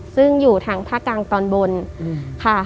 ซึ่งอยู่ทางภาคกลางตอนบนค่ะ